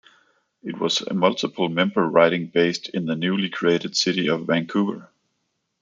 It was a multiple member riding based in the newly created city of Vancouver.